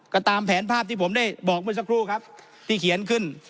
ก็ตามแผนภาพที่ผมได้บอกเมื่อสักครู่ครับที่เขียนขึ้น